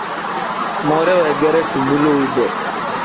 Muure weegeresi bu lowu-dee.